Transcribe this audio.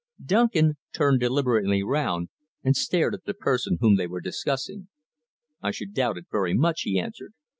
Duncan turned deliberately round and stared at the person whom they were discussing. "I should doubt it very much," he answered.